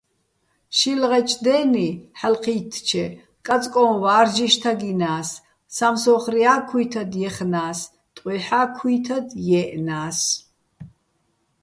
შილღეჩო̆ დე́ნი, ჰ̦ალო̆ ჴი́თთჩე, კაწკოჼ ვა́რჯიშ თაგჲინა́ს, სამსო́ხრია́ ქუჲთად ჲეხნა́ს, ტყუჲჰ̦ა́ ქუჲთადაჸ ჲე́ჸნა́ს.